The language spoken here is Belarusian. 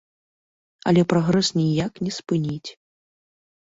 Але прагрэс ніяк не спыніць.